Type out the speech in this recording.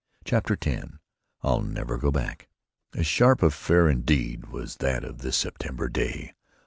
CHAPTER X "I'LL NEVER GO BACK" A sharp affair indeed was that of this September day!